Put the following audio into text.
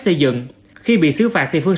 xây dựng khi bị xứ phạt thì phương